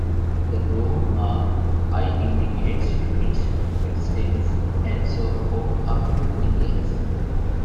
The groove marked I indicates units, X tens, and so on up to millions.